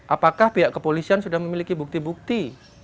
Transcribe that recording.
apakah pihak kepolisian sudah memiliki bukti bukti